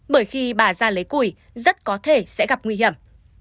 bởi khi bà ra lấy củi rất có thể sẽ gặp nguy hiểm